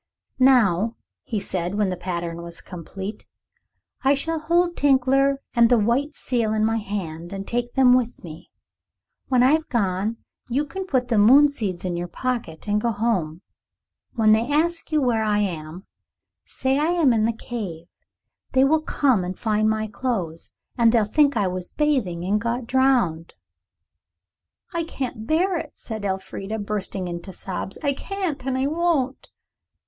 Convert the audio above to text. "Now," he said, when the pattern was complete, "I shall hold Tinkler and the white seal in my hand and take them with me. When I've gone, you can put the moon seeds in your pocket and go home. When they ask you where I am, say I am in the cave. They will come and find my clothes, and they'll think I was bathing and got drowned." "I can't bear it," said Elfrida, bursting into sobs. "I can't, and I won't."